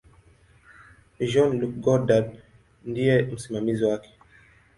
Jean-Luc Godard ndiye msimamizi wake.